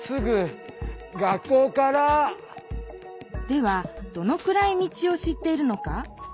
ではどのくらい道を知っているのか？